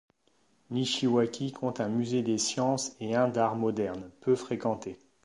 Nishiwaki compte un musée des sciences et un d'art moderne, peu fréquentés.